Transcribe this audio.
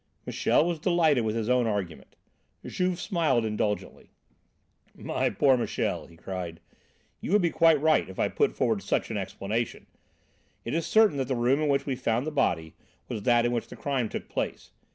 Michel was delighted with his own argument. Juve smiled indulgently. "My poor Michel," he cried, "you would be quite right if I put forward such an explanation. It is certain that the room in which we found the body was that in which the crime took place.